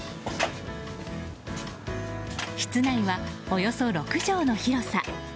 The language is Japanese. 室内はおよそ６畳の広さ。